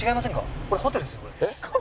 えっ？